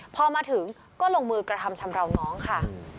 พอมาถึงก็ลงมือกระทำชำราวน้องค่ะ